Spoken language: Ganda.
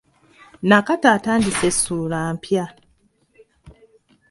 Nakato atandise ssuula mpya.